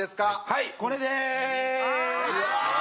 はいこれでーす。